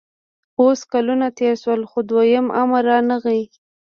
اوس کلونه تېر شول خو دویم امر رانغی